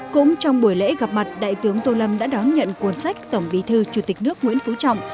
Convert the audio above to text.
cũng trong buổi lễ gặp mặt đại tướng tô lâm đã đón nhận cuốn sách tổng bí thư chủ tịch nước nguyễn phú trọng